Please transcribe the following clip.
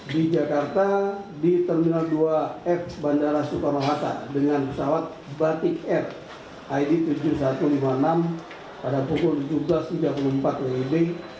di jakarta di terminal dua f bandara soekarno hatta dengan pesawat batik air id tujuh ribu satu ratus lima puluh enam pada pukul tujuh belas tiga puluh empat wib